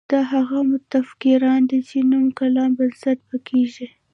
دا هغه متفکران دي چې نوي کلام بنسټ به کېږدي.